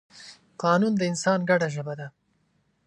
قانون د انسان ګډه ژبه ده.